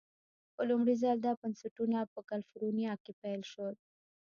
په لومړي ځل دا بنسټونه په کلفورنیا کې پیل شول.